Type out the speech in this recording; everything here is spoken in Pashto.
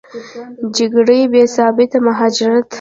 جګړې، بېثباتي، مهاجرت